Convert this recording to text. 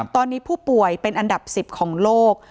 ตอนนี้ผู้ป่วยเป็นอันดับ๑๐ของโลก